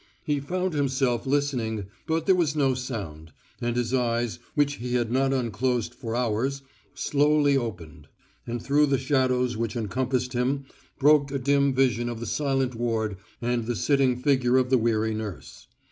He found himself listening, but there was no sound; and his eyes, which he had not unclosed for hours, slowly opened, and through the shadows which encompassed him broke a dim vision of the silent ward and the sitting figure of the weary nurse.